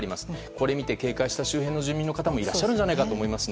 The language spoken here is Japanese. これを見て警戒した周辺の住民の方もいらっしゃると思います。